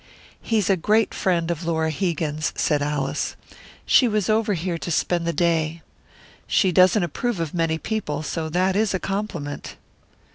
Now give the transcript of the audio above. "He's a great friend of Laura Hegan's," said Alice. "She was over here to spend the day. She doesn't approve of many people, so that is a compliment."